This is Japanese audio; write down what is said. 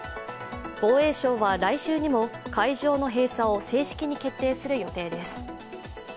防衛省は来週にも会場の閉鎖を正式に決定する予定です。